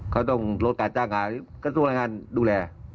เขาต้องลดการจ้างงานกระทรวงแรงงานดูแล